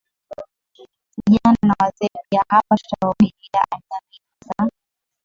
vijana na wazee piaHapa tutaongelea aina mbili za